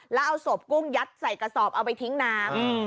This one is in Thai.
แล้วเอาศพกุ้งยัดใส่กระสอบเอาไปทิ้งน้ำ